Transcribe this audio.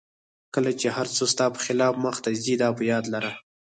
کله چې هر څه ستا په خلاف مخته ځي دا په یاد لره.